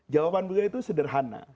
jawaban beliau itu sederhana